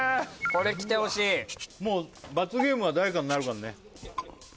これきてほしいもう罰ゲームは誰かになるからね